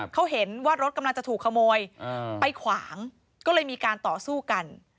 เขาเห็นว่ารถกำลังจะถูกขโมยไปขวางก็เลยมีการต่อสู้กัน